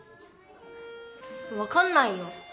わかんないよ。